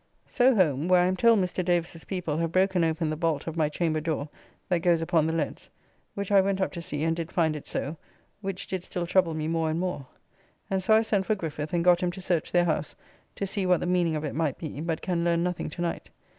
So home, where I am told Mr. Davis's people have broken open the bolt of my chamber door that goes upon the leads, which I went up to see and did find it so, which did still trouble me more and more. And so I sent for Griffith, and got him to search their house to see what the meaning of it might be, but can learn nothing to night.